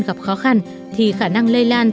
gặp khó khăn thì khả năng lây lan